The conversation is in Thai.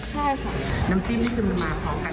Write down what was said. ช่วงที่ไปขายที่หนังปื๊อประมาณกี่โมงครับ